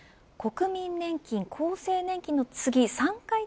国民年金、厚生年金の次３階